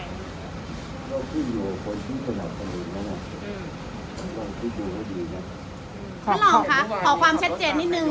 ท่านรองค่ะขอความชัดเจนนิดนึง